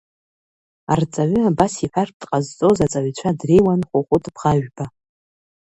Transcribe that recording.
Арҵаҩы абас иҳәартә дҟазҵоз аҵаҩцәа дреиуан Хәыхәыт Бӷажәба.